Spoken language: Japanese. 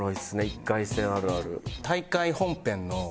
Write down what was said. １回戦あるある。